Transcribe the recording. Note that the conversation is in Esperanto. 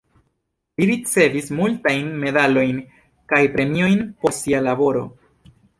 Li ricevis multajn medalojn kaj premiojn por sia laboro.